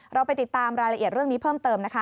เราไปติดตามรายละเอียดเรื่องนี้เพิ่มเติมนะคะ